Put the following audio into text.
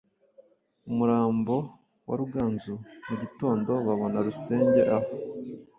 umurambo wa Ruganzu. Mu gitondo babona Rusenge aho